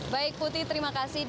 baik putri terima kasih